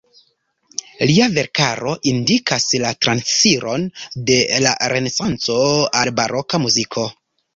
Lia verkaro indikas la transiron de la renesanco al baroka muziko.